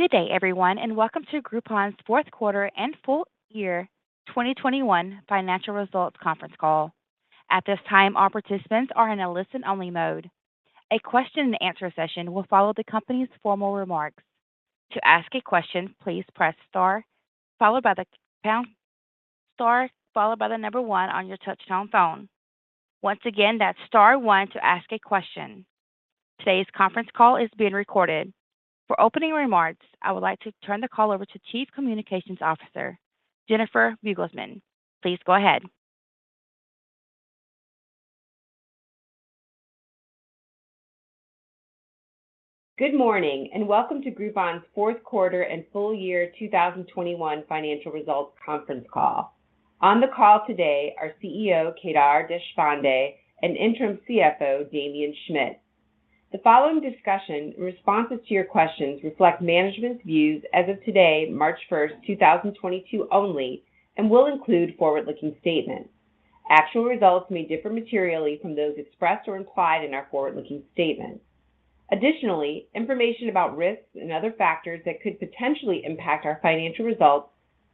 Good day everyone, and welcome to Groupon's fourth quarter and full year 2021 financial results conference call. At this time, all participants are in a listen-only mode. A question and answer session will follow the company's formal remarks. To ask a question, please press star followed by the number one on your touchtone phone. Once again, that's star one to ask a question. Today's conference call is being recorded. For opening remarks, I would like to turn the call over to Chief Communications Officer Jennifer Beugelmans. Please go ahead. Good morning, and welcome to Groupon's fourth quarter and full year 2021 financial results conference call. On the call today are CEO Kedar Deshpande and Interim CFO Damien Schmitz. The following discussion and responses to your questions reflect management's views as of today, March 1st, 2022 only, and will include forward-looking statements. Actual results may differ materially from those expressed or implied in our forward-looking statements. Additionally, information about risks and other factors that could potentially impact our financial results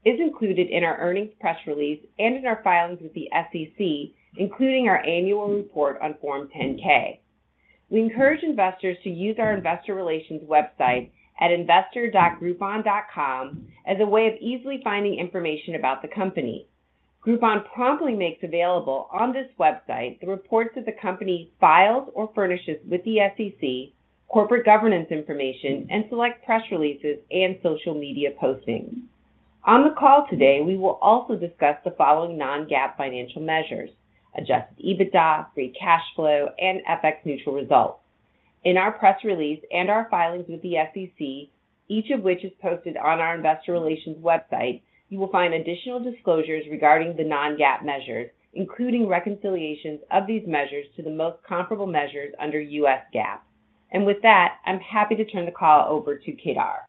is included in our earnings press release and in our filings with the SEC, including our annual report on Form 10-K. We encourage investors to use our investor relations website at investor.groupon.com as a way of easily finding information about the company. Groupon promptly makes available on this website the reports that the company files or furnishes with the SEC, corporate governance information and select press releases and social media postings. On the call today, we will also discuss the following Non-GAAP financial measures, Adjusted EBITDA, Free Cash Flow and FX-neutral results. In our press release and our filings with the SEC, each of which is posted on our investor relations website, you will find additional disclosures regarding the Non-GAAP measures, including reconciliations of these measures to the most comparable measures under U.S. GAAP. With that, I'm happy to turn the call over to Kedar.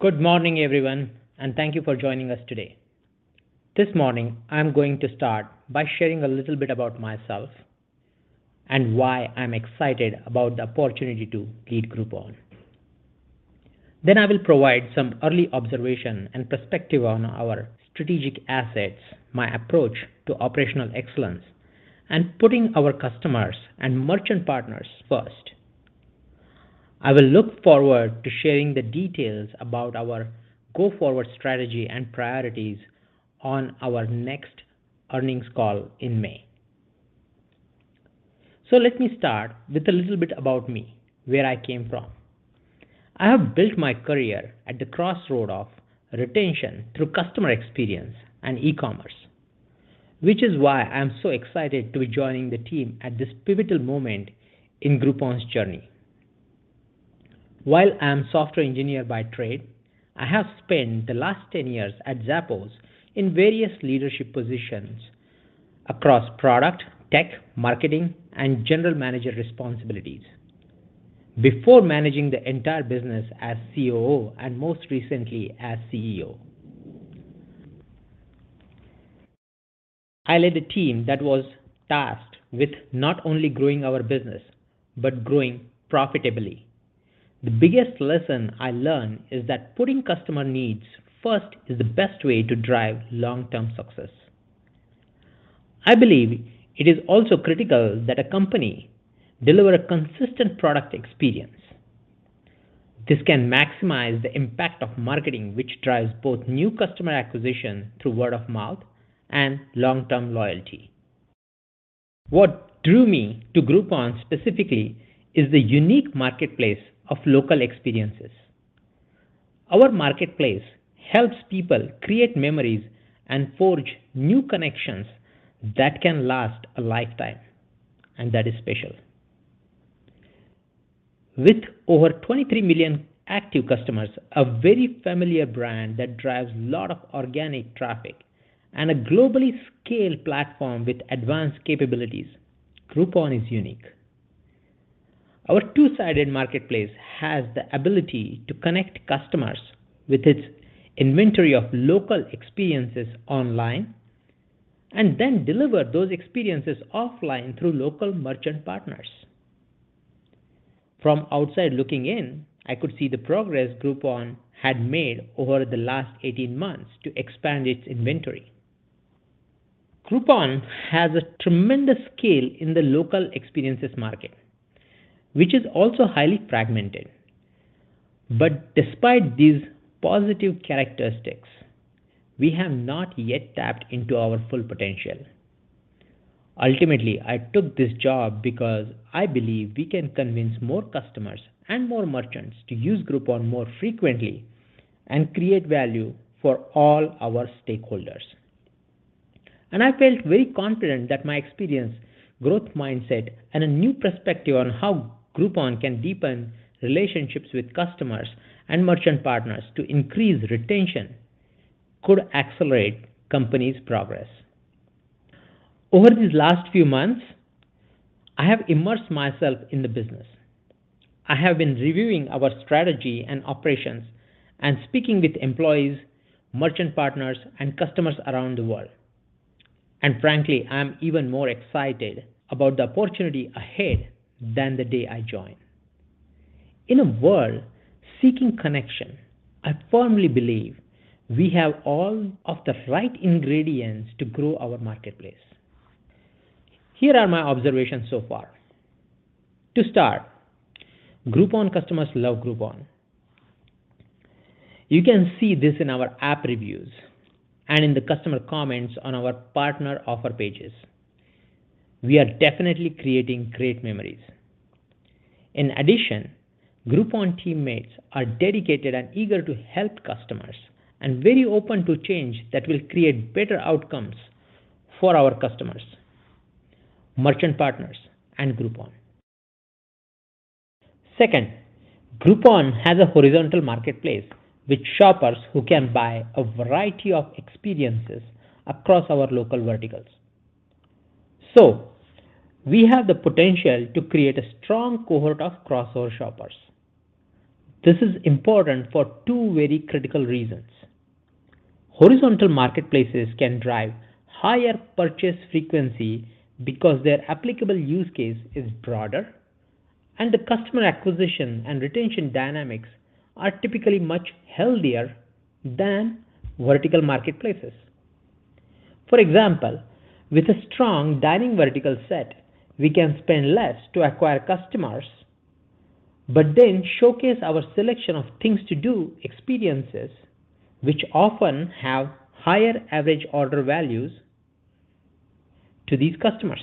Good morning, everyone, and thank you for joining us today. This morning, I'm going to start by sharing a little bit about myself and why I'm excited about the opportunity to lead Groupon. Then I will provide some early observation and perspective on our strategic assets, my approach to operational excellence, and putting our customers and merchant partners first. I will look forward to sharing the details about our go-forward strategy and priorities on our next earnings call in May. Let me start with a little bit about me, where I came from. I have built my career at the crossroad of retention through customer experience and e-commerce, which is why I'm so excited to be joining the team at this pivotal moment in Groupon's journey. While I'm a software engineer by trade, I have spent the last 10 years at Zappos in various leadership positions across product, tech, marketing, and general manager responsibilities before managing the entire business as COO and most recently as CEO. I led a team that was tasked with not only growing our business but growing profitably. The biggest lesson I learned is that putting customer needs first is the best way to drive long-term success. I believe it is also critical that a company deliver a consistent product experience. This can maximize the impact of marketing, which drives both new customer acquisition through word of mouth and long-term loyalty. What drew me to Groupon specifically is the unique marketplace of local experiences. Our marketplace helps people create memories and forge new connections that can last a lifetime, and that is special. With over 23 million active customers, a very familiar brand that drives a lot of organic traffic and a globally scaled platform with advanced capabilities, Groupon is unique. Our two-sided marketplace has the ability to connect customers with its inventory of local experiences online, and then deliver those experiences offline through local merchant partners. From outside looking in, I could see the progress Groupon had made over the last 18-months to expand its inventory. Groupon has a tremendous scale in the local experiences market, which is also highly fragmented. Despite these positive characteristics, we have not yet tapped into our full potential. Ultimately, I took this job because I believe we can convince more customers and more merchants to use Groupon more frequently and create value for all our stakeholders. I felt very confident that my experience, growth mindset, and a new perspective on how Groupon can deepen relationships with customers and merchant partners to increase retention could accelerate company's progress. Over these last few months, I have immersed myself in the business. I have been reviewing our strategy and operations and speaking with employees, merchant partners and customers around the world. Frankly, I'm even more excited about the opportunity ahead than the day I joined. In a world seeking connection, I firmly believe we have all of the right ingredients to grow our marketplace. Here are my observations so far. To start, Groupon customers love Groupon. You can see this in our app reviews and in the customer comments on our partner offer pages. We are definitely creating great memories. In addition, Groupon teammates are dedicated and eager to help customers and very open to change that will create better outcomes for our customers, merchant partners, and Groupon. Second, Groupon has a horizontal marketplace with shoppers who can buy a variety of experiences across our local verticals. We have the potential to create a strong cohort of crossover shoppers. This is important for two very critical reasons. Horizontal marketplaces can drive higher purchase frequency because their applicable use case is broader and the customer acquisition and retention dynamics are typically much healthier than vertical marketplaces. For example, with a strong dining vertical set, we can spend less to acquire customers, but then showcase our selection of Things to Do experiences which often have higher average order values to these customers.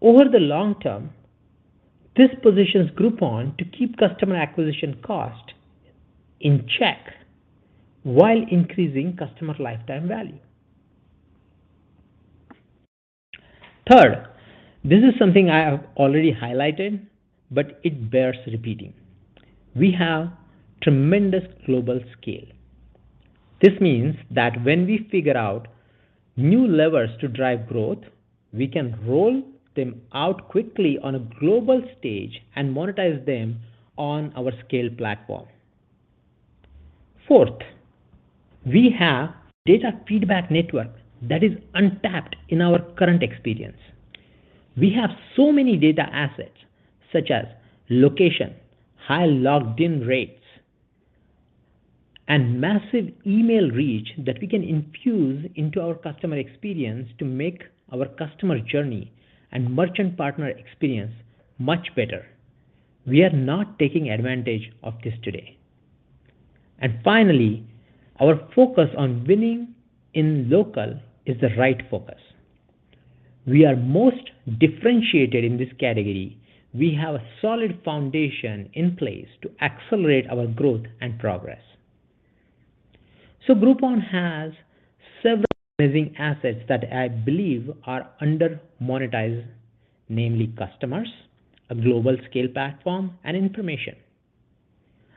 Over the long term, this positions Groupon to keep customer acquisition cost in check while increasing customer lifetime value. Third, this is something I have already highlighted, but it bears repeating. We have tremendous global scale. This means that when we figure out new levers to drive growth, we can roll them out quickly on a global stage and monetize them on our scale platform. Fourth, we have data feedback network that is untapped in our current experience. We have so many data assets such as location, high logged in rates, and massive email reach that we can infuse into our customer experience to make our customer journey and merchant partner experience much better. We are not taking advantage of this today. Finally, our focus on winning in local is the right focus. We are most differentiated in this category. We have a solid foundation in place to accelerate our growth and progress. Groupon has several amazing assets that I believe are under monetized, namely customers, a global scale platform, and information.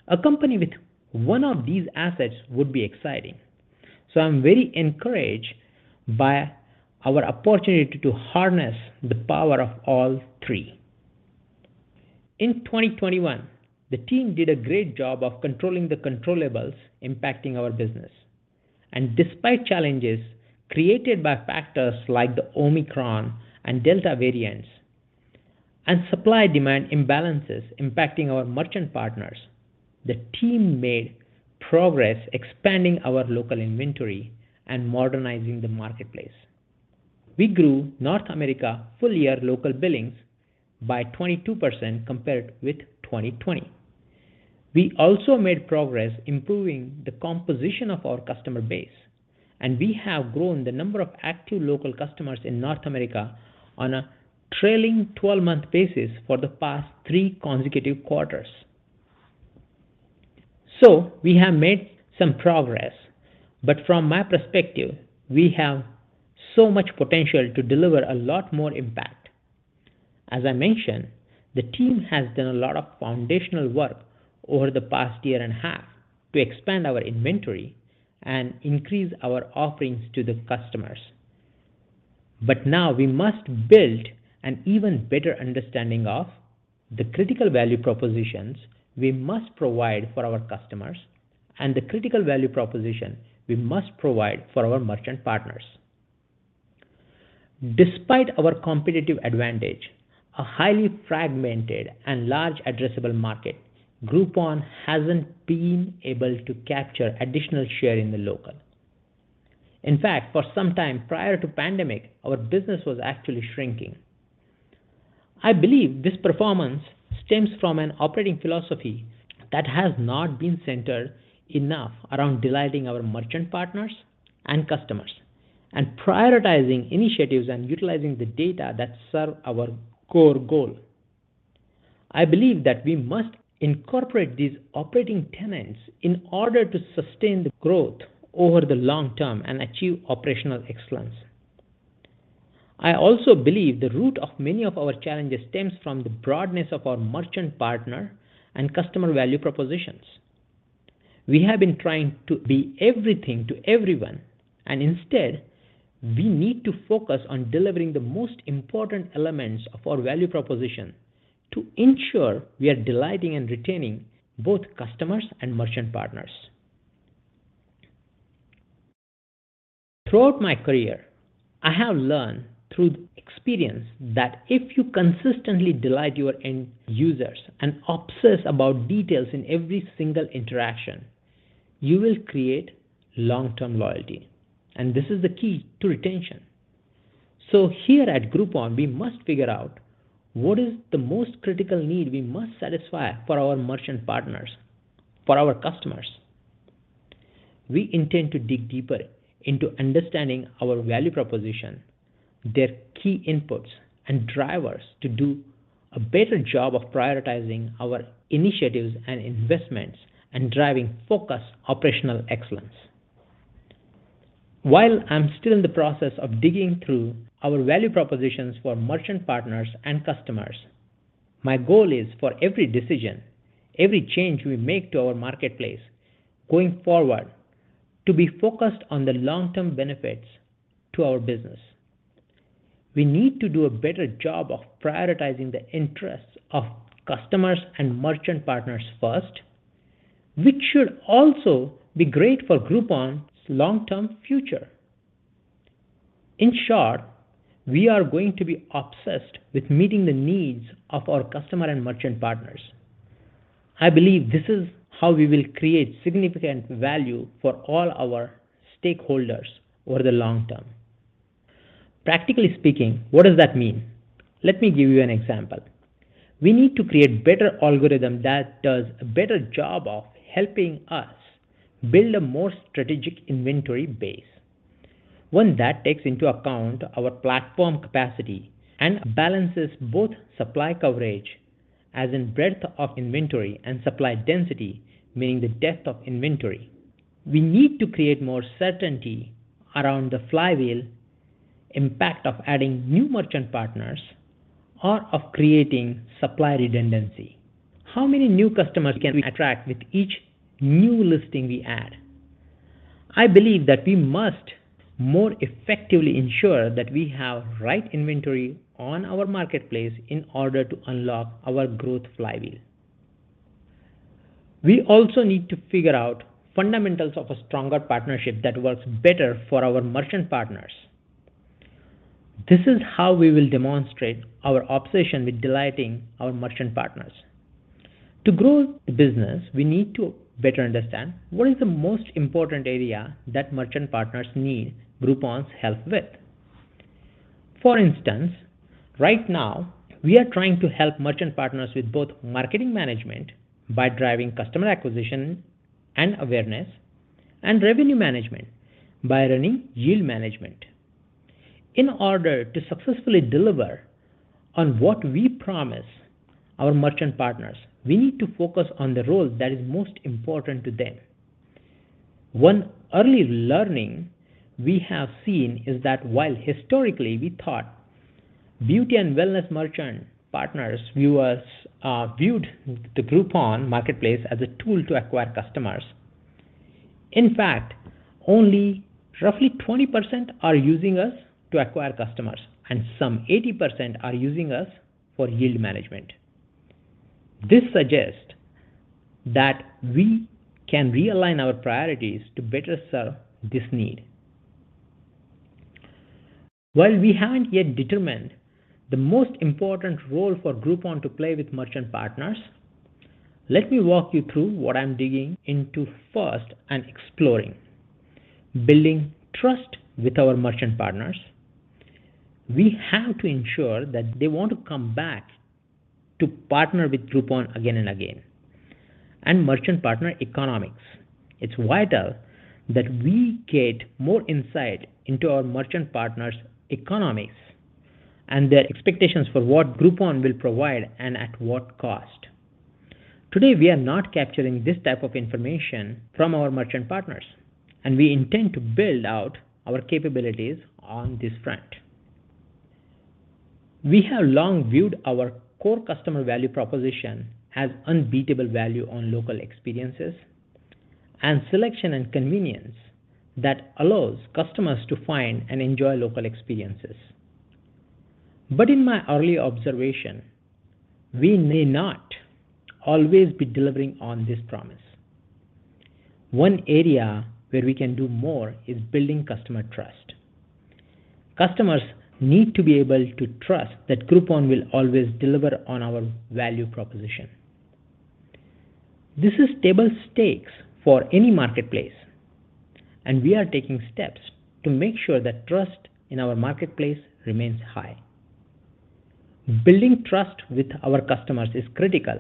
A company with one of these assets would be exciting. I'm very encouraged by our opportunity to harness the power of all three. In 2021, the team did a great job of controlling the controllables impacting our business. Despite challenges created by factors like the Omicron and Delta variants and supply demand imbalances impacting our merchant partners, the team made progress expanding our local inventory and modernizing the marketplace. We grew North America full-year local billings by 22% compared with 2020. We also made progress improving the composition of our customer base, and we have grown the number of active local customers in North America on a trailing 12-month basis for the past three consecutive quarters. We have made some progress, but from my perspective, we have so much potential to deliver a lot more impact. As I mentioned, the team has done a lot of foundational work over the past year and a half to expand our inventory and increase our offerings to the customers. Now we must build an even better understanding of the critical value propositions we must provide for our customers and the critical value proposition we must provide for our merchant partners. Despite our competitive advantage, a highly fragmented and large addressable market, Groupon hasn't been able to capture additional share in the local. In fact, for some time prior to pandemic, our business was actually shrinking. I believe this performance stems from an operating philosophy that has not been centered enough around delighting our merchant partners and customers and prioritizing initiatives and utilizing the data that serve our core goal. I believe that we must incorporate these operating tenets in order to sustain the growth over the long term and achieve operational excellence. I also believe the root of many of our challenges stems from the broadness of our merchant partner and customer value propositions. We have been trying to be everything to everyone, and instead, we need to focus on delivering the most important elements of our value proposition. To ensure we are delighting and retaining both customers and merchant partners. Throughout my career, I have learned through experience that if you consistently delight your end users and obsess about details in every single interaction, you will create long-term loyalty, and this is the key to retention. Here at Groupon, we must figure out what is the most critical need we must satisfy for our merchant partners, for our customers. We intend to dig deeper into understanding our value proposition, their key inputs and drivers to do a better job of prioritizing our initiatives and investments and driving focused operational excellence. While I'm still in the process of digging through our value propositions for merchant partners and customers, my goal is for every decision, every change we make to our marketplace going forward to be focused on the long-term benefits to our business. We need to do a better job of prioritizing the interests of customers and merchant partners first, which should also be great for Groupon's long-term future. In short, we are going to be obsessed with meeting the needs of our customer and merchant partners. I believe this is how we will create significant value for all our stakeholders over the long term. Practically speaking, what does that mean? Let me give you an example. We need to create better algorithm that does a better job of helping us build a more strategic inventory base, one that takes into account our platform capacity and balances both supply coverage, as in breadth of inventory, and supply density, meaning the depth of inventory. We need to create more certainty around the flywheel impact of adding new merchant partners or of creating supply redundancy. How many new customers can we attract with each new listing we add? I believe that we must more effectively ensure that we have right inventory on our marketplace in order to unlock our growth flywheel. We also need to figure out fundamentals of a stronger partnership that works better for our merchant partners. This is how we will demonstrate our obsession with delighting our merchant partners. To grow the business, we need to better understand what is the most important area that merchant partners need Groupon's help with. For instance, right now, we are trying to help merchant partners with both marketing management by driving customer acquisition and awareness and revenue management by running yield management. In order to successfully deliver on what we promise our merchant partners, we need to focus on the role that is most important to them. One early learning we have seen is that while historically we thought Beauty & Wellness merchant partners viewed the Groupon marketplace as a tool to acquire customers, in fact, only roughly 20% are using us to acquire customers, and some 80% are using us for yield management. This suggests that we can realign our priorities to better serve this need. While we haven't yet determined the most important role for Groupon to play with merchant partners, let me walk you through what I'm digging into first and exploring. Building trust with our merchant partners. We have to ensure that they want to come back to partner with Groupon again and again. Merchant partner economics. It's vital that we get more insight into our merchant partners' economics and their expectations for what Groupon will provide and at what cost. Today, we are not capturing this type of information from our merchant partners, and we intend to build out our capabilities on this front. We have long viewed our core customer value proposition as unbeatable value on local experiences and selection and convenience that allows customers to find and enjoy local experiences. In my early observation, we may not always be delivering on this promise. One area where we can do more is building customer trust. Customers need to be able to trust that Groupon will always deliver on our value proposition. This is table stakes for any marketplace, and we are taking steps to make sure that trust in our marketplace remains high. Building trust with our customers is critical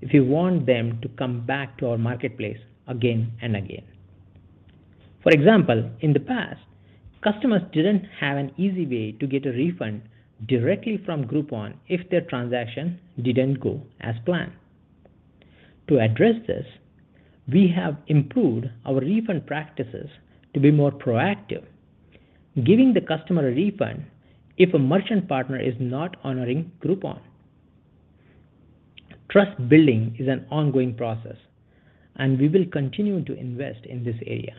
if you want them to come back to our marketplace again and again. For example, in the past, customers didn't have an easy way to get a refund directly from Groupon if their transaction didn't go as planned. To address this, we have improved our refund practices to be more proactive, giving the customer a refund if a merchant partner is not honoring Groupon. Trust building is an ongoing process, and we will continue to invest in this area.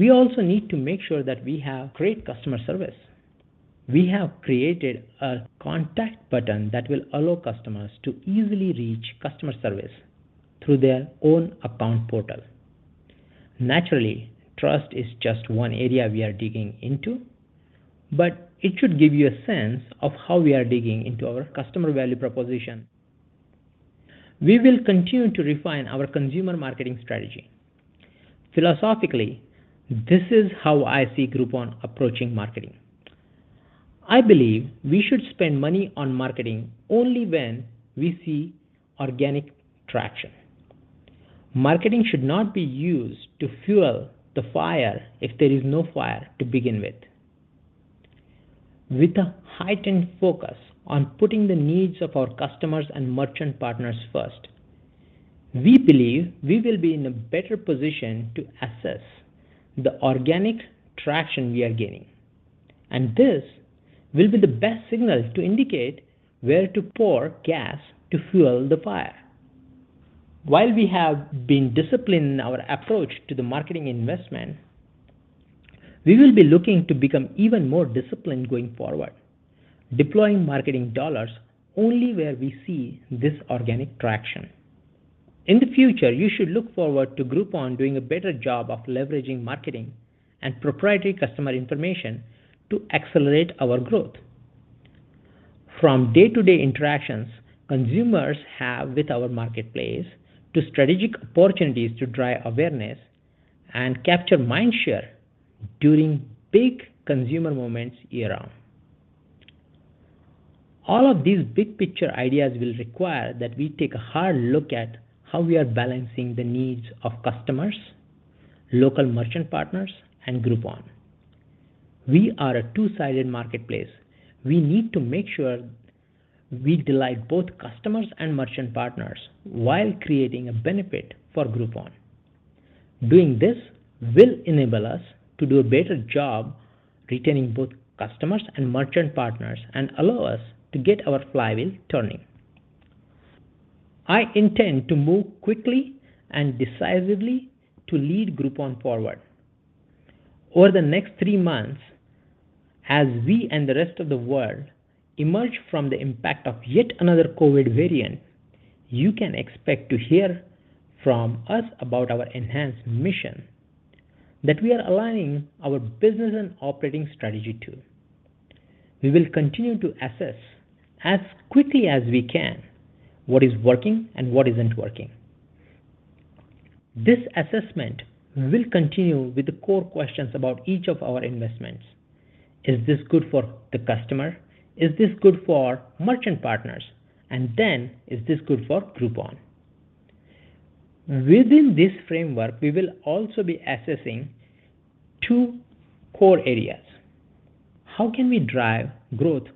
We also need to make sure that we have great customer service. We have created a contact button that will allow customers to easily reach customer service through their own account portal. Naturally, trust is just one area we are digging into, but it should give you a sense of how we are digging into our customer value proposition. We will continue to refine our consumer marketing strategy. Philosophically, this is how I see Groupon approaching marketing. I believe we should spend money on marketing only when we see organic traction. Marketing should not be used to fuel the fire if there is no fire to begin with. With a heightened focus on putting the needs of our customers and merchant partners first, we believe we will be in a better position to assess the organic traction we are getting, and this will be the best signal to indicate where to pour gas to fuel the fire. While we have been disciplined in our approach to the marketing investment, we will be looking to become even more disciplined going forward, deploying marketing dollars only where we see this organic traction. In the future, you should look forward to Groupon doing a better job of leveraging marketing and proprietary customer information to accelerate our growth. From day-to-day interactions consumers have with our marketplace to strategic opportunities to drive awareness and capture mind share during big consumer moments year round. All of these big picture ideas will require that we take a hard look at how we are balancing the needs of customers, local merchant partners, and Groupon. We are a two-sided marketplace. We need to make sure we delight both customers and merchant partners while creating a benefit for Groupon. Doing this will enable us to do a better job retaining both customers and merchant partners and allow us to get our flywheel turning. I intend to move quickly and decisively to lead Groupon forward. Over the next three months, as we and the rest of the world emerge from the impact of yet another COVID variant, you can expect to hear from us about our enhanced mission that we are aligning our business and operating strategy to. We will continue to assess as quickly as we can what is working and what isn't working. This assessment will continue with the core questions about each of our investments. Is this good for the customer? Is this good for merchant partners? And then, is this good for Groupon? Within this framework, we will also be assessing two core areas. How can we drive growth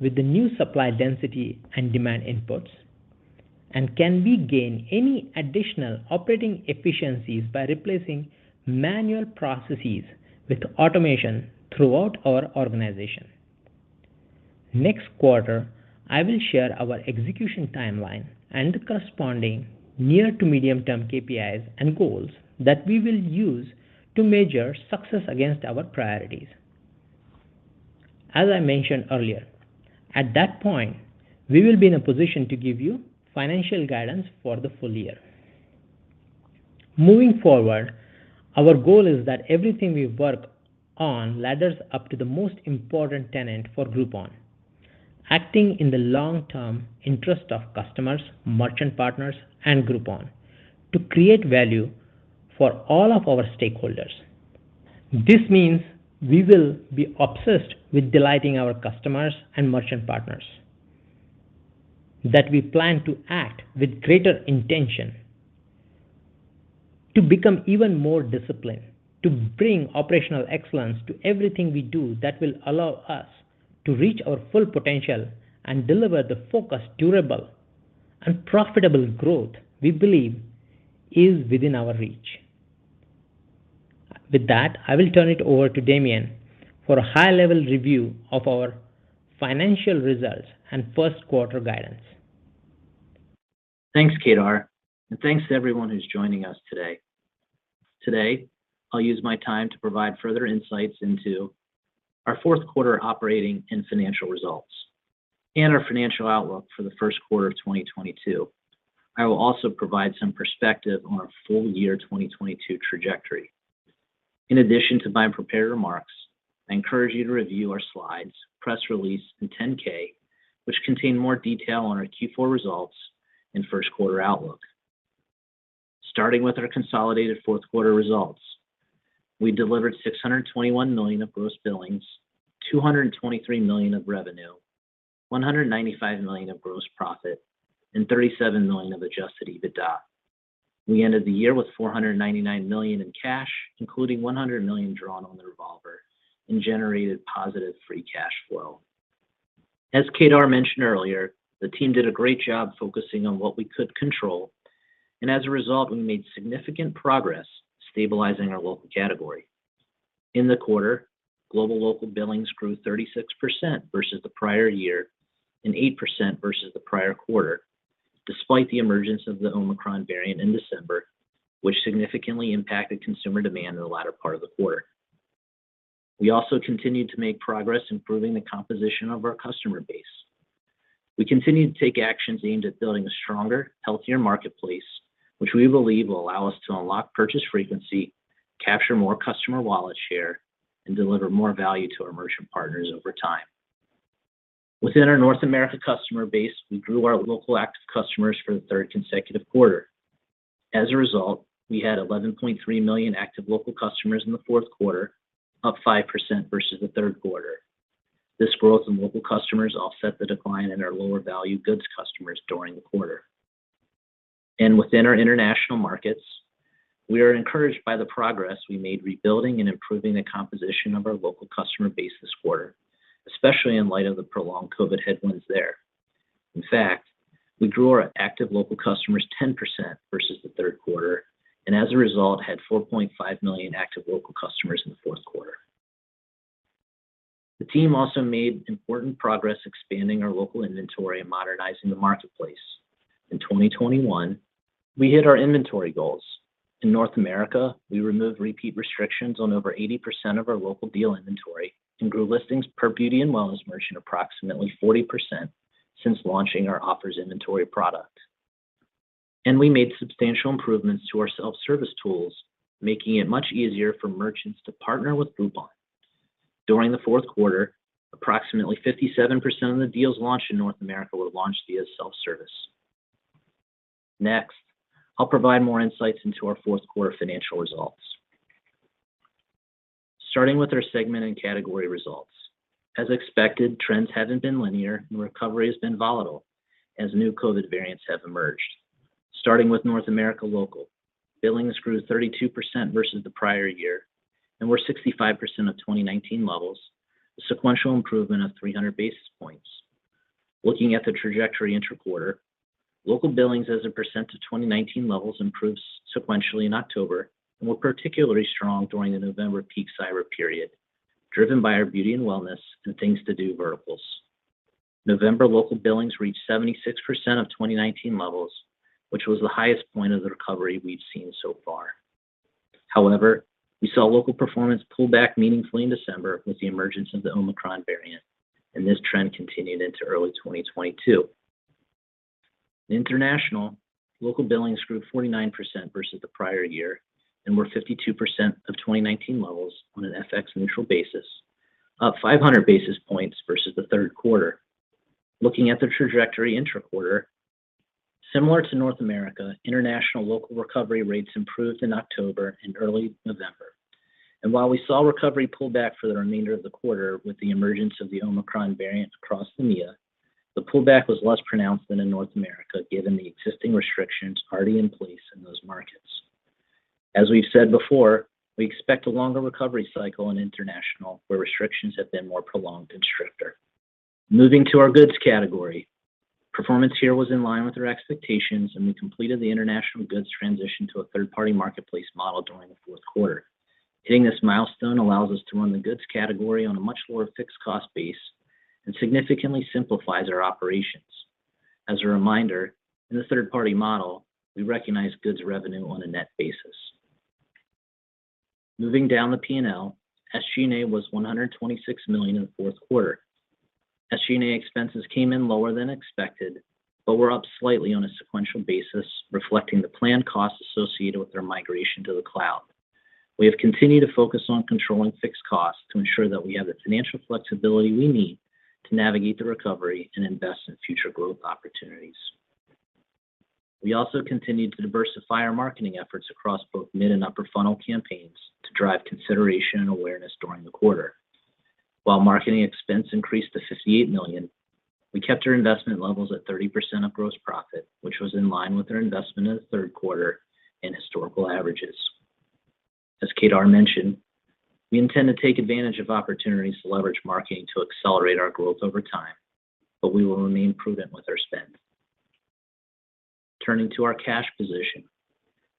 with the new supply density and demand inputs? And can we gain any additional operating efficiencies by replacing manual processes with automation throughout our organization? Next quarter, I will share our execution timeline and the corresponding near- to medium-term KPIs and goals that we will use to measure success against our priorities. As I mentioned earlier, at that point, we will be in a position to give you financial guidance for the full year. Moving forward, our goal is that everything we work on ladders up to the most important tenet for Groupon, acting in the long-term interest of customers, merchant partners, and Groupon to create value for all of our stakeholders. This means we will be obsessed with delighting our customers and merchant partners, that we plan to act with greater intention to become even more disciplined, to bring operational excellence to everything we do that will allow us to reach our full potential and deliver the focused, durable, and profitable growth we believe is within our reach. With that, I will turn it over to Damien for a high-level review of our financial results and first quarter guidance. Thanks, Kedar, and thanks to everyone who's joining us today. Today, I'll use my time to provide further insights into our fourth quarter operating and financial results and our financial outlook for the first quarter of 2022. I will also provide some perspective on our full year 2022 trajectory. In addition to my prepared remarks, I encourage you to review our slides, press release, and 10-K, which contain more detail on our Q4 results and first quarter outlook. Starting with our consolidated fourth quarter results, we delivered $621 million of gross billings, $223 million of revenue, $195 million of gross profit, and $37 million of Adjusted EBITDA. We ended the year with $499 million in cash, including $100 million drawn on the revolver, and generated positive Free Cash Flow. As Kedar mentioned earlier, the team did a great job focusing on what we could control, and as a result, we made significant progress stabilizing our local category. In the quarter, global Local billings grew 36% versus the prior year and 8% versus the prior quarter, despite the emergence of the Omicron variant in December, which significantly impacted consumer demand in the latter part of the quarter. We also continued to make progress improving the composition of our customer base. We continued to take actions aimed at building a stronger, healthier marketplace, which we believe will allow us to unlock purchase frequency, capture more customer wallet share, and deliver more value to our merchant partners over time. Within our North America customer base, we grew our local active customers for the third consecutive quarter. As a result, we had 11.3 million active local customers in the fourth quarter, up 5% versus the third quarter. This growth in local customers offset the decline in our lower value goods customers during the quarter. Within our international markets, we are encouraged by the progress we made rebuilding and improving the composition of our local customer base this quarter, especially in light of the prolonged COVID headwinds there. In fact, we grew our active local customers 10% versus the third quarter, and as a result, had 4.5 million active local customers in the fourth quarter. The team also made important progress expanding our local inventory and modernizing the marketplace. In 2021, we hit our inventory goals. In North America, we removed repeat restrictions on over 80% of our local deal inventory and grew listings per Beauty & Wellness merchant approximately 40% since launching our offers inventory product. We made substantial improvements to our self-service tools, making it much easier for merchants to partner with Groupon. During the fourth quarter, approximately 57% of the deals launched in North America were launched via self-service. Next, I'll provide more insights into our fourth quarter financial results. Starting with our segment and category results. As expected, trends haven't been linear and recovery has been volatile as new COVID variants have emerged. Starting with North America Local, billings grew 32% versus the prior year and were 65% of 2019 levels, a sequential improvement of 300 basis points. Looking at the intra-quarter trajectory, local billings as a percent to 2019 levels improved sequentially in October and were particularly strong during the November peak Cyber period, driven by our Beauty and Wellness and Things to Do verticals. November local billings reached 76% of 2019 levels, which was the highest point of the recovery we've seen so far. However, we saw local performance pull back meaningfully in December with the emergence of the Omicron variant, and this trend continued into early 2022. In International, local billings grew 49% versus the prior year and were 52% of 2019 levels on an FX-neutral basis, up 500 basis points versus the third quarter. Looking at the intra-quarter trajectory, similar to North America, International local recovery rates improved in October and early November. While we saw recovery pull back for the remainder of the quarter with the emergence of the Omicron variant across the EMEA, the pullback was less pronounced than in North America, given the existing restrictions already in place in those markets. As we've said before, we expect a longer recovery cycle in international, where restrictions have been more prolonged and stricter. Moving to our goods category. Performance here was in line with our expectations, and we completed the international goods transition to a third-party marketplace model during the fourth quarter. Hitting this milestone allows us to run the goods category on a much lower fixed cost base and significantly simplifies our operations. As a reminder, in the third party model, we recognize goods revenue on a net basis. Moving down the P&L, SG&A was $126 million in the fourth quarter. SG&A expenses came in lower than expected, but were up slightly on a sequential basis, reflecting the planned costs associated with their migration to the cloud. We have continued to focus on controlling fixed costs to ensure that we have the financial flexibility we need to navigate the recovery and invest in future growth opportunities. We also continued to diversify our marketing efforts across both mid and upper funnel campaigns to drive consideration and awareness during the quarter. While marketing expense increased to $58 million, we kept our investment levels at 30% of gross profit, which was in line with our investment in the third quarter and historical averages. As Kedar mentioned, we intend to take advantage of opportunities to leverage marketing to accelerate our growth over time, but we will remain prudent with our spend. Turning to our cash position.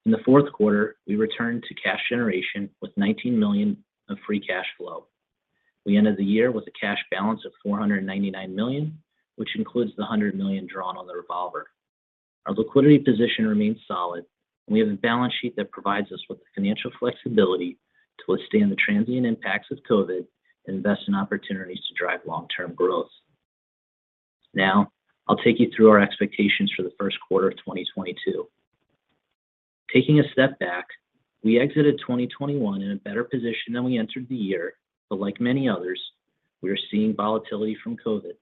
In the fourth quarter, we returned to cash generation with $19 million of free cash flow. We ended the year with a cash balance of $499 million, which includes the $100 million drawn on the revolver. Our liquidity position remains solid, and we have a balance sheet that provides us with the financial flexibility to withstand the transient impacts of COVID and invest in opportunities to drive long-term growth. Now, I'll take you through our expectations for the first quarter of 2022. Taking a step back, we exited 2021 in a better position than we entered the year. Like many others, we are seeing volatility from COVID.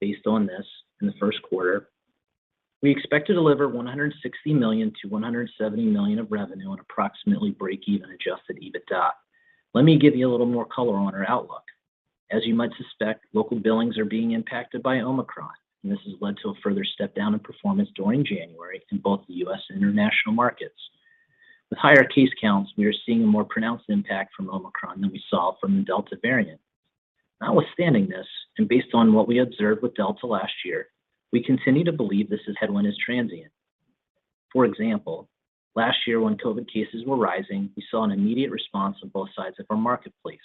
Based on this, in the first quarter, we expect to deliver $160 million-$170 million of revenue on approximately break-even adjusted EBITDA. Let me give you a little more color on our outlook. As you might suspect, local billings are being impacted by Omicron, and this has led to a further step down in performance during January in both the U.S. and international markets. With higher case counts, we are seeing a more pronounced impact from Omicron than we saw from the Delta variant. Not withstanding this, and based on what we observed with Delta last year, we continue to believe this headwind is transient. For example, last year when COVID cases were rising, we saw an immediate response on both sides of our marketplace,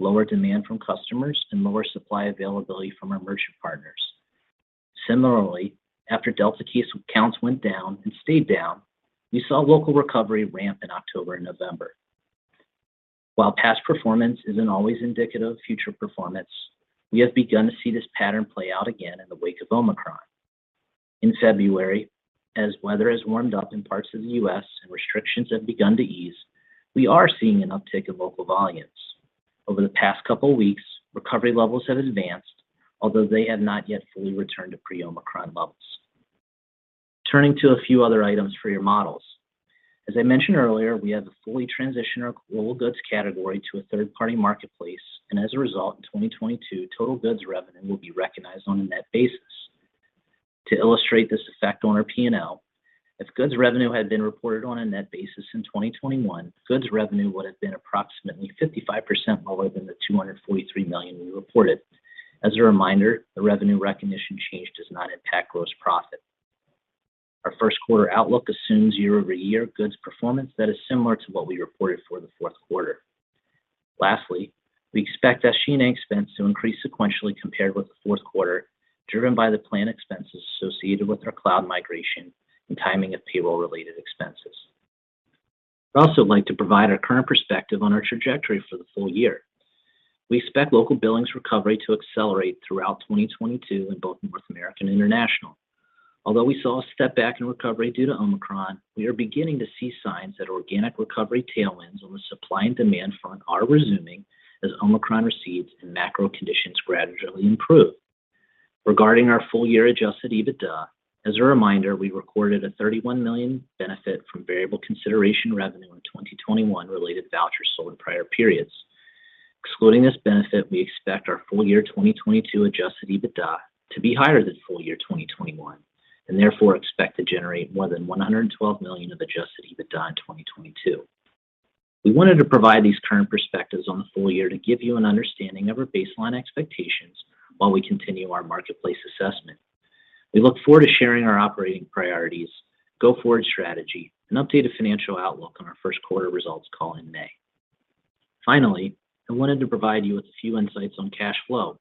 lower demand from customers and lower supply availability from our merchant partners. Similarly, after Delta case counts went down and stayed down, we saw local recovery ramp in October and November. While past performance isn't always indicative of future performance, we have begun to see this pattern play out again in the wake of Omicron. In February, as weather has warmed up in parts of the U.S. and restrictions have begun to ease, we are seeing an uptick in local volumes. Over the past couple weeks, recovery levels have advanced, although they have not yet fully returned to pre-Omicron levels. Turning to a few other items for your models. As I mentioned earlier, we have fully transitioned our global goods category to a third-party marketplace, and as a result, in 2022, total goods revenue will be recognized on a net basis. To illustrate this effect on our P&L, if goods revenue had been reported on a net basis in 2021, goods revenue would have been approximately 55% lower than the $243 million we reported. As a reminder, the revenue recognition change does not impact gross profit. Our first quarter outlook assumes year-over-year goods performance that is similar to what we reported for the fourth quarter. Lastly, we expect our G&A expense to increase sequentially compared with the fourth quarter, driven by the planned expenses associated with our cloud migration and timing of payroll-related expenses. I'd also like to provide our current perspective on our trajectory for the full year. We expect local billings recovery to accelerate throughout 2022 in both North America and International. Although we saw a step back in recovery due to Omicron, we are beginning to see signs that organic recovery tailwinds on the supply and demand front are resuming as Omicron recedes and macro conditions gradually improve. Regarding our full year Adjusted EBITDA, as a reminder, we recorded a $31 million benefit from variable consideration revenue in 2021 related to vouchers sold in prior periods. Excluding this benefit, we expect our full year 2022 Adjusted EBITDA to be higher than full year 2021, and therefore expect to generate more than $112 million of Adjusted EBITDA in 2022. We wanted to provide these current perspectives on the full year to give you an understanding of our baseline expectations while we continue our marketplace assessment. We look forward to sharing our operating priorities, go-forward strategy, and updated financial outlook on our first quarter results call in May. Finally, I wanted to provide you with a few insights on cash flow.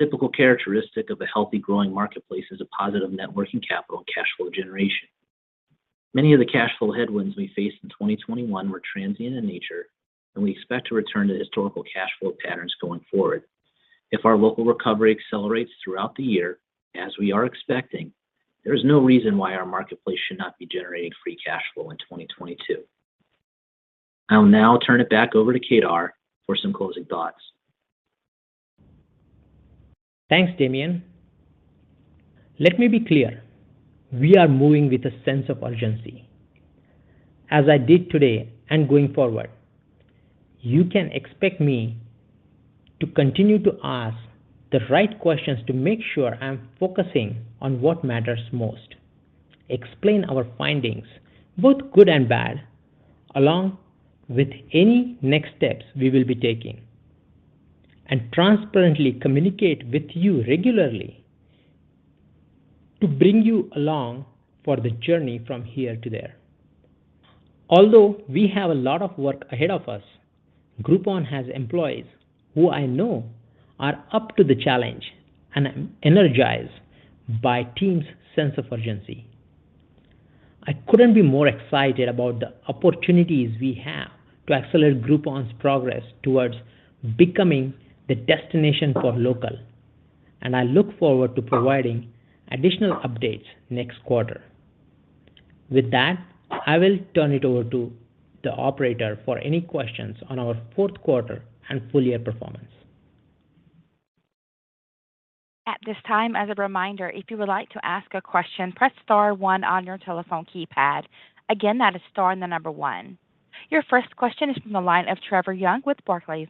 A typical characteristic of a healthy growing marketplace is a positive net working capital and cash flow generation. Many of the cash flow headwinds we faced in 2021 were transient in nature, and we expect to return to historical cash flow patterns going forward. If our local recovery accelerates throughout the year, as we are expecting, there is no reason why our marketplace should not be generating Free Cash Flow in 2022. I'll now turn it back over to Kedar for some closing thoughts. Thanks, Damien. Let me be clear. We are moving with a sense of urgency. As I did today and going forward, you can expect me to continue to ask the right questions to make sure I'm focusing on what matters most, explain our findings, both good and bad, along with any next steps we will be taking, and transparently communicate with you regularly to bring you along for the journey from here to there. Although we have a lot of work ahead of us, Groupon has employees who I know are up to the challenge and energized by team's sense of urgency. I couldn't be more excited about the opportunities we have to accelerate Groupon's progress towards becoming the destination for local, and I look forward to providing additional updates next quarter. With that, I will turn it over to the operator for any questions on our fourth quarter and full year performance. At this time, as a reminder, if you would like to ask a question, press star one on your telephone keypad. Again, that is star and the number one. Your first question is from the line of Trevor Young with Barclays.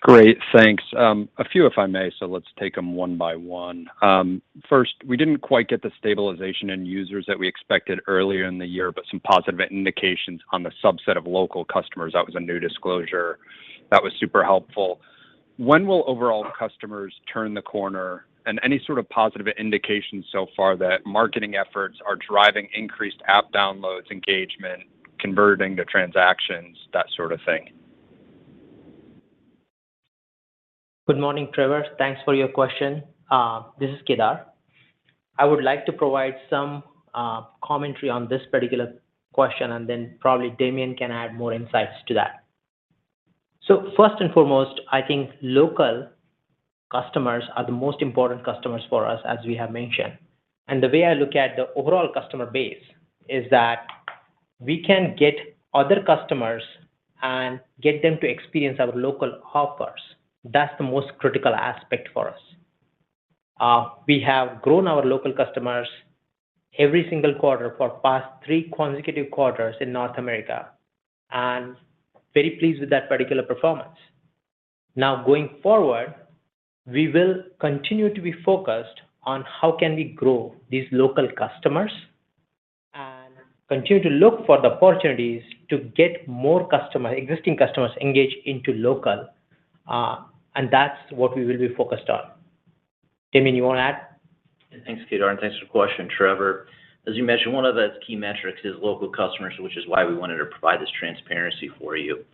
Great. Thanks. A few if I may, let's take them one by one. First, we didn't quite get the stabilization in users that we expected earlier in the year, but some positive indications on the subset of local customers. That was a new disclosure. That was super helpful. When will overall customers turn the corner? Any sort of positive indications so far that marketing efforts are driving increased app downloads, engagement, converting to transactions, that sort of thing? Good morning, Trevor. Thanks for your question. This is Kedar. I would like to provide some commentary on this particular question, and then probably Damien can add more insights to that. First and foremost, I think local customers are the most important customers for us, as we have mentioned. The way I look at the overall customer base is that we can get other customers and get them to experience our local offers. That's the most critical aspect for us. We have grown our local customers every single quarter for the past three consecutive quarters in North America, and I'm very pleased with that particular performance. Going forward, we will continue to be focused on how we can grow these local customers. Continue to look for the opportunities to get more customers, existing customers engaged into local, and that's what we will be focused on. Damien, you wanna add? Thanks, Kedar, and thanks for the question, Trevor. As you mentioned, one of the key metrics is local customers, which is why we wanted to provide this transparency for you.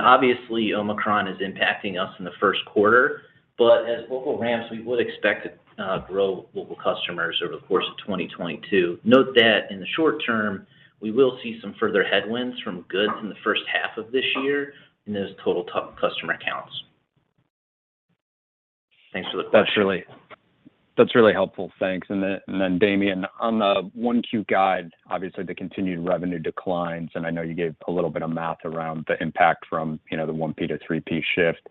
Obviously, Omicron is impacting us in the first quarter, but as local ramps, we would expect to grow local customers over the course of 2022. Note that in the short term, we will see some further headwinds from goods in the first half of this year in those total top customer counts. Thanks for the question. That's really helpful. Thanks. Damien, on the 1Q guide, obviously the continued revenue declines, and I know you gave a little bit of math around the impact from, you know, the 1P-3P shift.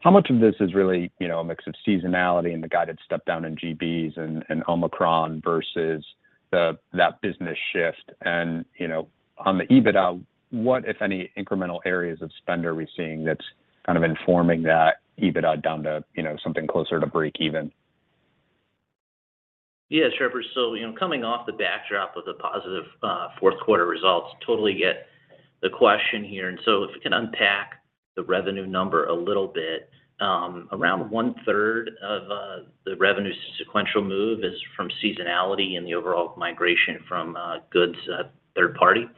How much of this is really, you know, a mix of seasonality and the guided step down in GBs and Omicron versus that business shift and, you know, on the EBITDA, what if any incremental areas of spend are we seeing that's kind of informing that EBITDA down to, you know, something closer to breakeven? Trevor. You know, coming off the backdrop of the positive fourth quarter results, totally get the question here. If we can unpack the revenue number a little bit, around one-third of the revenue sequential move is from seasonality and the overall migration from goods third party.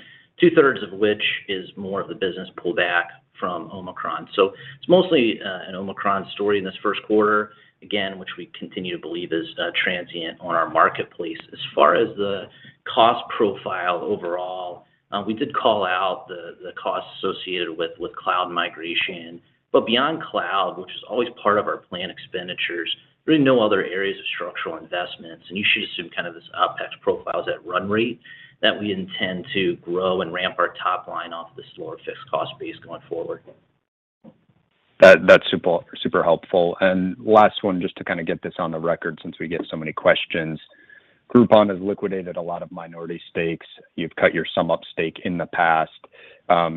2/3 of which is more of the business pullback from Omicron. It's mostly an Omicron story in this first quarter, again, which we continue to believe is transient on our marketplace. As far as the cost profile overall, we did call out the costs associated with cloud migration. beyond cloud, which is always part of our planned expenditures, there are no other areas of structural investments, and you should assume kind of this OpEx profile is at run rate that we intend to grow and ramp our top line off this lower fixed cost base going forward. That's super helpful. Last one, just to kind of get this on the record since we get so many questions. Groupon has liquidated a lot of minority stakes. You've cut your SumUp stake in the past.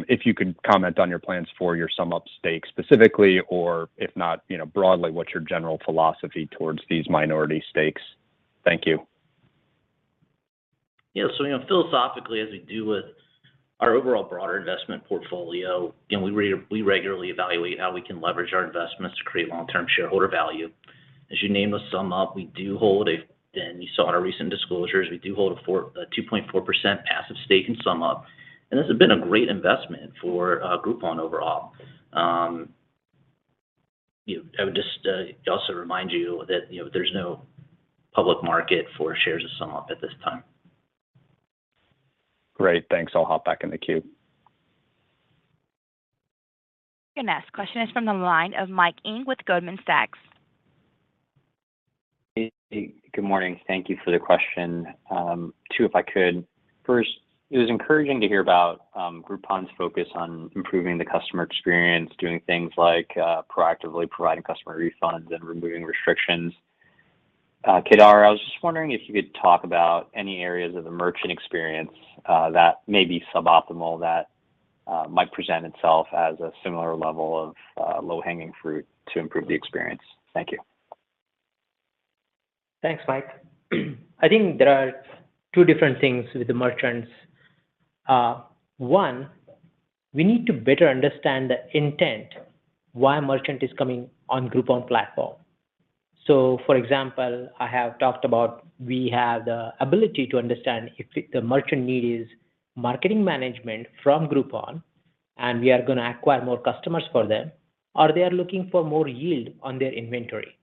If you could comment on your plans for your SumUp stake specifically, or if not, you know, broadly, what's your general philosophy towards these minority stakes? Thank you. You know, philosophically as we do with our overall broader investment portfolio, and we regularly evaluate how we can leverage our investments to create long-term shareholder value. As you named SumUp, and you saw in our recent disclosures, we do hold a 2.4% passive stake in SumUp, and this has been a great investment for Groupon overall. You know, I would just also remind you that, you know, there's no public market for shares of SumUp at this time. Great. Thanks. I'll hop back in the queue. The next question is from the line of Mike Ng with Goldman Sachs. Hey. Good morning. Thank you for the question. Two if I could. First, it was encouraging to hear about, Groupon's focus on improving the customer experience, doing things like, proactively providing customer refunds and removing restrictions. Kedar, I was just wondering if you could talk about any areas of the merchant experience, that may be suboptimal, might present itself as a similar level of, low-hanging fruit to improve the experience. Thank you. Thanks, Mike. I think there are two different things with the merchants. One, we need to better understand the intent why merchant is coming on Groupon platform. For example, I have talked about we have the ability to understand if the merchant need is marketing management from Groupon, and we are gonna acquire more customers for them, or they are looking for more yield on their inventory.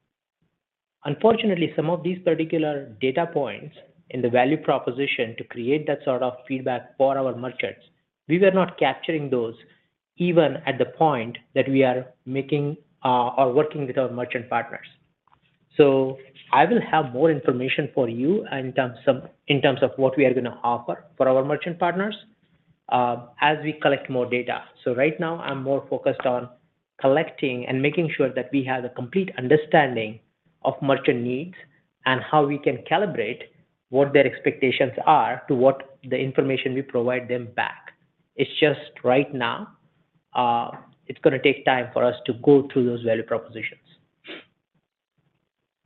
Unfortunately, some of these particular data points in the value proposition to create that sort of feedback for our merchants, we were not capturing those even at the point that we are making or working with our merchant partners. I will have more information for you in terms of what we are gonna offer for our merchant partners, as we collect more data. Right now I'm more focused on collecting and making sure that we have a complete understanding of merchant needs and how we can calibrate what their expectations are to what the information we provide them back. It's just right now, it's gonna take time for us to go through those value propositions.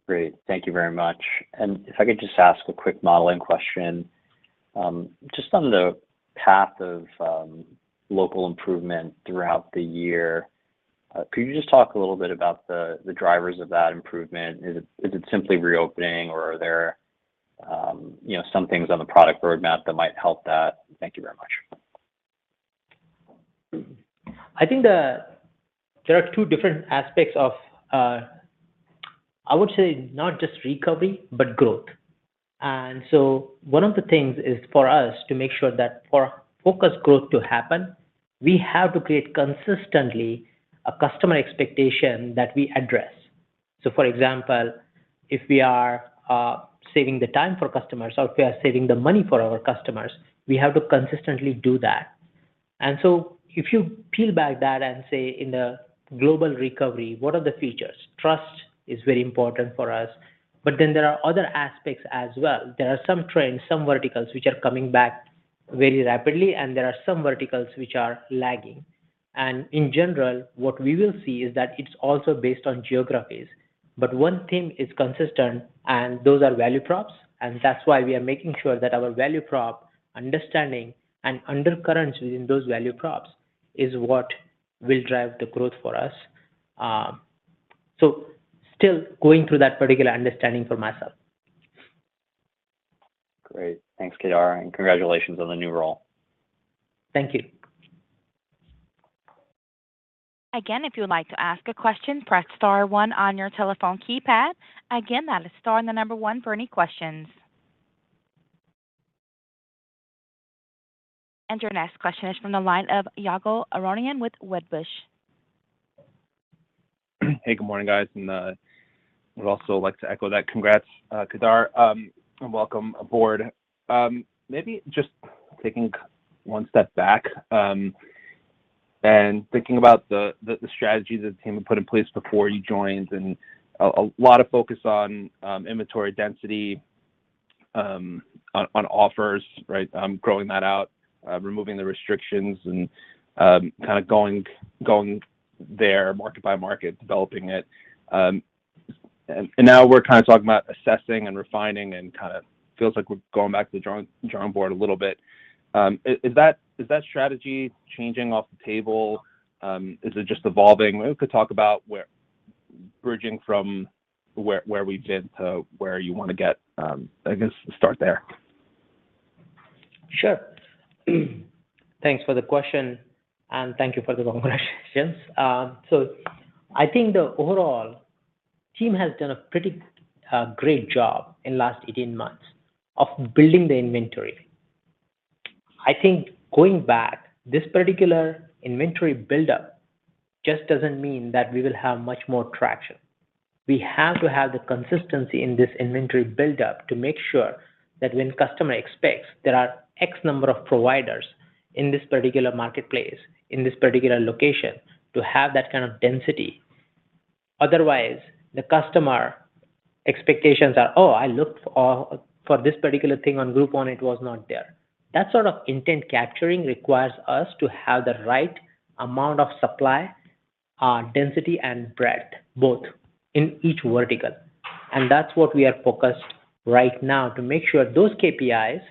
Great. Thank you very much. If I could just ask a quick modeling question. Just on the path of local improvement throughout the year, could you just talk a little bit about the drivers of that improvement? Is it simply reopening or are there you know, some things on the product roadmap that might help that? Thank you very much. I think there are two different aspects of, I would say not just recovery, but growth. One of the things is for us to make sure that for focused growth to happen, we have to create consistently a customer expectation that we address. For example, if we are saving the time for customers or if we are saving the money for our customers, we have to consistently do that. If you peel back that and say in the global recovery, what are the features? Trust is very important for us. There are other aspects as well. There are some trends, some verticals which are coming back very rapidly, and there are some verticals which are lagging. In general, what we will see is that it's also based on geographies. One thing is consistent, and those are value props. That's why we are making sure that our value prop understanding and undercurrents within those value props is what will drive the growth for us. Still going through that particular understanding for myself. Great. Thanks, Kedar, and congratulations on the new role. Thank you. Again, if you would like to ask a question, press star one on your telephone keypad. Again, that is star and the number one for any questions. Your next question is from the line of Ygal Arounian with Wedbush. Hey, good morning, guys. I would also like to echo that congrats, Kedar, and welcome aboard. Maybe just taking one step back, and thinking about the strategies that the team had put in place before you joined, and a lot of focus on inventory density, on offers. Growing that out, removing the restrictions and kinda going there market by market, developing it. Now we're kinda talking about assessing and refining and kinda feels like we're going back to the drawing board a little bit. Is that strategy changing off the table? Is it just evolving? If you could talk about where bridging from where we've been to where you wanna get, I guess start there. Sure. Thanks for the question and thank you for the congratulations. So I think the overall team has done a pretty great job in last 18 months of building the inventory. I think going back, this particular inventory buildup just doesn't mean that we will have much more traction. We have to have the consistency in this inventory buildup to make sure that when customer expects, there are X number of providers in this particular marketplace, in this particular location, to have that kind of density. Otherwise, the customer expectations are, "Oh, I looked for this particular thing on Groupon, it was not there." That sort of intent capturing requires us to have the right amount of supply, density and breadth both in each vertical. That's what we are focused right now to make sure those KPIs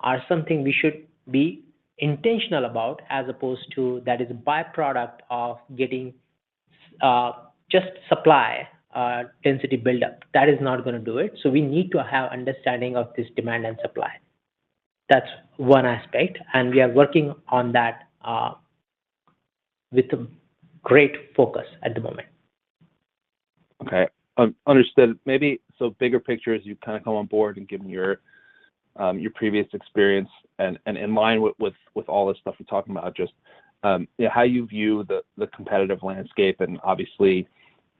are something we should be intentional about as opposed to that is a byproduct of getting, just supply, density buildup. That is not gonna do it. We need to have understanding of this demand and supply. That's one aspect, and we are working on that, with great focus at the moment. Understood. Maybe so bigger picture as you kinda come on board and given your previous experience and in line with all this stuff you're talking about, just you know how you view the competitive landscape and obviously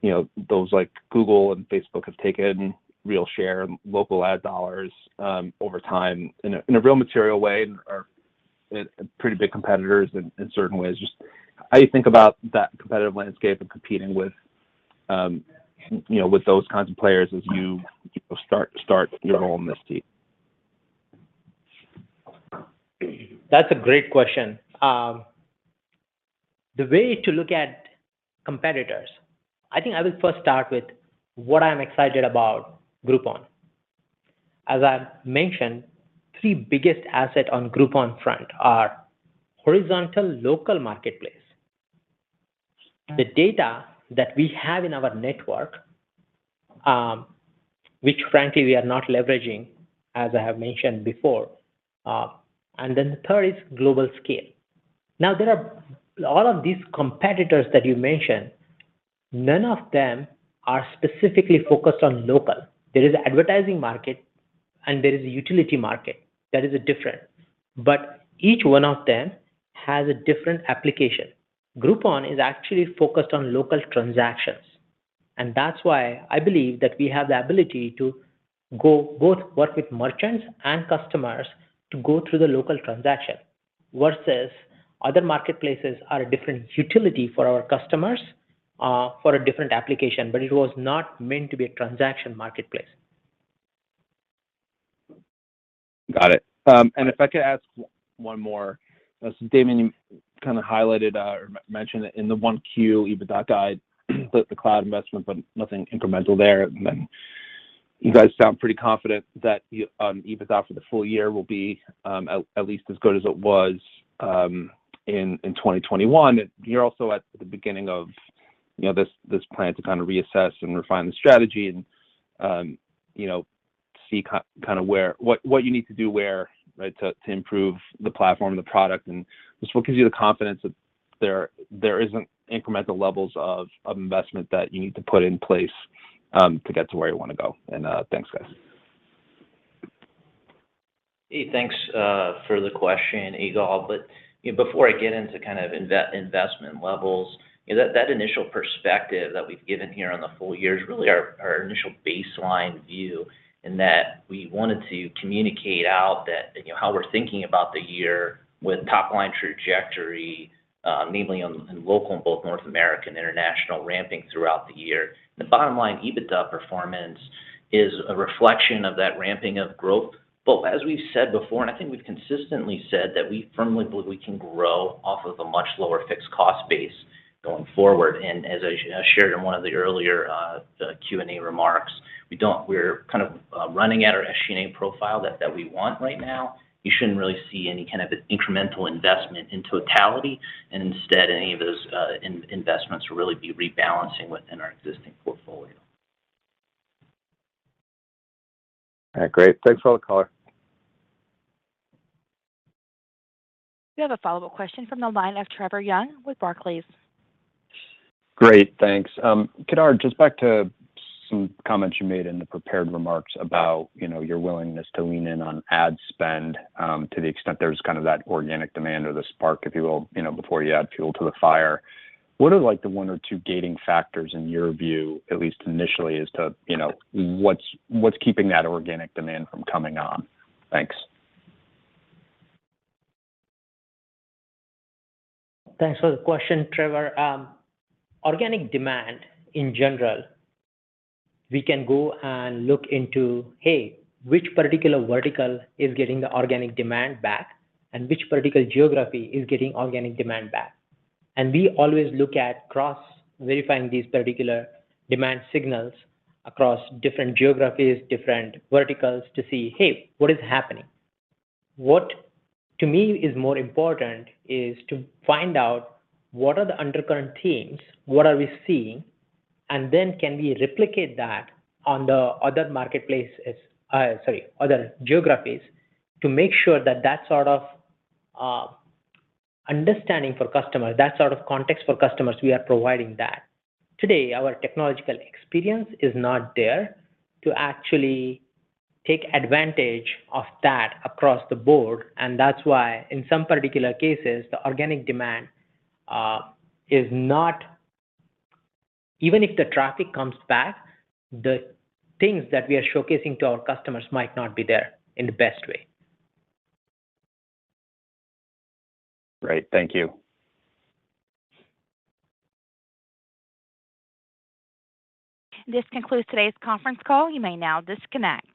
you know those like Google and Facebook have taken real share local ad dollars over time in a real material way are pretty big competitors in certain ways. Just how you think about that competitive landscape and competing with you know with those kinds of players as you know start your role in this team? That's a great question. The way to look at competitors, I think I will first start with what I'm excited about Groupon. As I mentioned, three biggest assets on Groupon front are horizontal local marketplace. The data that we have in our network, which frankly we are not leveraging, as I have mentioned before. The third is global scale. Now, there are all of these competitors that you mentioned, none of them are specifically focused on local. There is advertising market and there is a utility market that is different, but each one of them has a different application. Groupon is actually focused on local transactions, and that's why I believe that we have the ability to go both work with merchants and customers to go through the local transaction versus other marketplaces are a different utility for our customers, for a different application, but it was not meant to be a transaction marketplace. Got it. If I could ask one more. As Damien kind of highlighted or mentioned in the 1Q EBITDA guide, the cloud investment, but nothing incremental there. You guys sound pretty confident that EBITDA for the full year will be at least as good as it was in 2021. You're also at the beginning of this plan to kind of reassess and refine the strategy and you know see what you need to do where. To improve the platform and the product. Thanks, guys. Hey, thanks for the question, Ygal. You know, before I get into kind of investment levels, you know, that initial perspective that we've given here on the full year is really our initial baseline view in that we wanted to communicate out that, you know, how we're thinking about the year with top-line trajectory, mainly on local and both North American, international ramping throughout the year. The bottom line EBITDA performance is a reflection of that ramping of growth. As we've said before, and I think we've consistently said that we firmly believe we can grow off of a much lower fixed cost base. Going forward, and as I shared in one of the earlier, the Q&A remarks, we're kind of running at our SG&A profile that we want right now. You shouldn't really see any kind of incremental investment in totality and instead any of those investments will really be rebalancing within our existing portfolio. All right, great. Thanks for all the color. We have a follow-up question from the line of Trevor Young with Barclays. Great, thanks. Kedar, just back to some comments you made in the prepared remarks about, you know, your willingness to lean in on ad spend, to the extent there's kind of that organic demand or the spark, if you will, you know, before you add fuel to the fire. What are like the one or two gating factors in your view, at least initially, as to, you know, what's keeping that organic demand from coming on? Thanks. Thanks for the question, Trevor. Organic demand in general, we can go and look into, hey, which particular vertical is getting the organic demand back and which particular geography is getting organic demand back. We always look at cross-verifying these particular demand signals across different geographies, different verticals to see, hey, what is happening? What to me is more important is to find out what are the undercurrent themes, what are we seeing, and then can we replicate that on the other geographies to make sure that that sort of understanding for customers, that sort of context for customers, we are providing that. Today, our technological experience is not there to actually take advantage of that across the board, and that's why in some particular cases, the organic demand is not... Even if the traffic comes back, the things that we are showcasing to our customers might not be there in the best way. Great. Thank you. This concludes today's conference call. You may now disconnect.